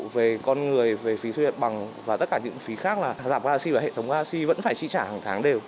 về con người về phí thuê bằng và tất cả những phí khác là rạp galaxy và hệ thống galaxy vẫn phải trị trả hàng tháng đều